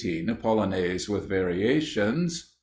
Polonaise, with variations.